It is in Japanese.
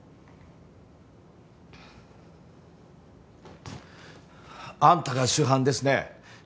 うんあんたが主犯ですね？